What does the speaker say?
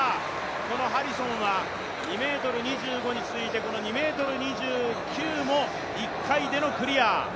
このハリソンは２ｍ２５に続いて、２ｍ２９も１回でのクリア。